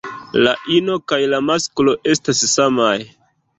La ino kaj la masklo estas samaj.